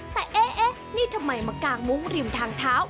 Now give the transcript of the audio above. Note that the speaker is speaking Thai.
แต่เอ๊ะนี่ทำไมมากางมุ้งริมทางเท้า